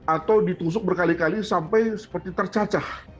atau ditusuk berkali kali sampai seperti tercacah